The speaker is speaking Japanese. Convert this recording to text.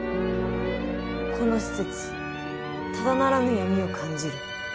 この施設ただならぬ闇を感じる。